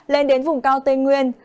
lên đến vùng cao tây nguyên